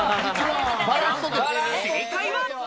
正解は。